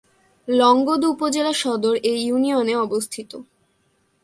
লংগদু উপজেলা সদর এ ইউনিয়নে অবস্থিত।